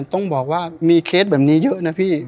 ต้องบอกว่ามีเคสแบบนี้เยอะนะพี่